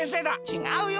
ちがうよ。